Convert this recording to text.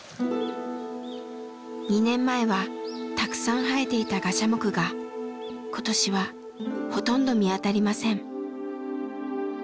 ２年前はたくさん生えていたガシャモクがことしはほとんど見当たりません。